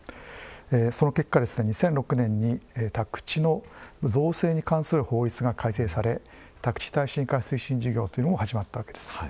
その結果、２００６年に宅地の造成に関する法律が改正され宅地耐震化推進事業というのも始まったわけです。